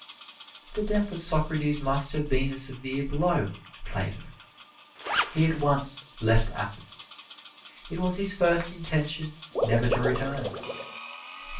The death of Socrates must have been a severe blow to Plato. He at once left Athens. It was his first intention never to return.